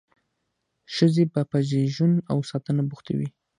ښځې به په زیږون او ساتنه بوختې وې.